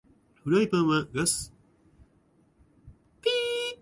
フライパンはガス火専用だと安い